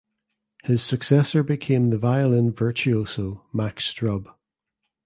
His successor became the violin virtuoso Max Strub.